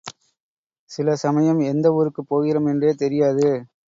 சில சமயம் எந்த ஊருக்குப் போகிறோம் என்றே தெரியாது.